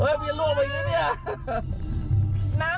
เฮ้ยมีล่วงไปกันเนี่ย